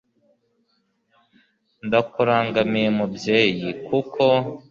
ndakurangamiye mubyeyi, kuko